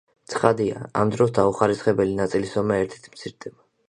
ცხადია, ამ დროს დაუხარისხებელი ნაწილის ზომა ერთით მცირდება.